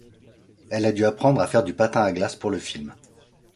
Elle a dû apprendre à faire du patin à glace pour le film.